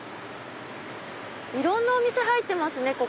いろんなお店入ってますね